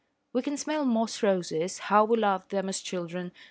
We can smell moss roses how we loved them as children!